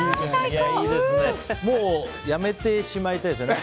もう、やめてしまいたいですね。